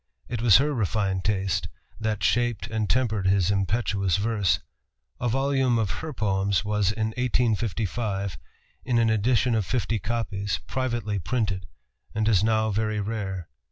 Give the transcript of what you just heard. It was her refined taste that shaped and tempered his impetuous verse. A volume of her poems was in 1855, in an edition of fifty copies, privately printed, and is now very rare.